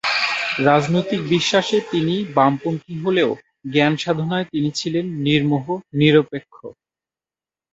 রাজনৈতিক বিশ্বাসে তিনি বামপন্থী হলেও জ্ঞান সাধনায় তিনি ছিলেন নির্মোহ, নিরপেক্ষ।